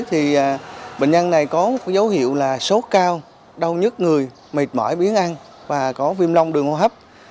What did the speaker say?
thì bệnh nhân này có dấu hiệu là sốt cao đau nhất người mệt mỏi biến ăn và có viêm long đường hô hấp